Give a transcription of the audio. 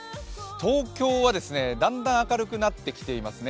東京はだんだん明るくなってきていますね。